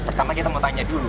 pertama kita mau tanya dulu